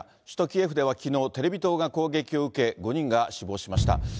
首都キエフではきのう、テレビ塔が攻撃を受け、５人が死亡しました。